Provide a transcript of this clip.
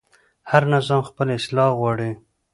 هر نظام خپل اصلاح غواړي